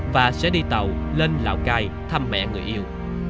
và sẽ đi tàu lên lào cai thăm mẹ người yêu